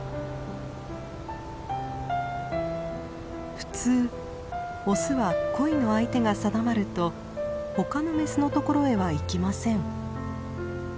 普通オスは恋の相手が定まると他のメスのところへは行きません。